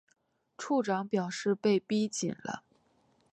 处长表示被逼紧了